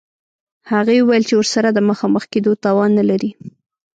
هغې وویل چې ورسره د مخامخ کېدو توان نلري